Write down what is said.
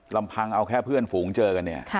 ลำพังเอาแค่เพื่อนฝูงเจอกันเนี่ย